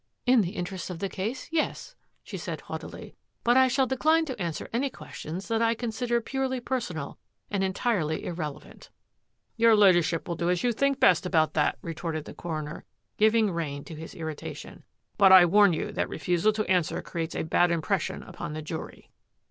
" In the interests of the case, yes," she said haughtily, " but I shall decline to answer any questions that I consider purely personal and en tirely irrelevant," " Your Ladyship will do as you think best about that," retorted the coroner, giving rein to his ir ritation, " but I warn you that refusal to answer creates a bad impression upon the jury."